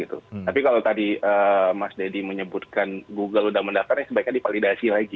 tapi kalau tadi mas dedy menyebutkan google sudah mendaftar sebaiknya dipalidasi lagi